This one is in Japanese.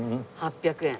８００円。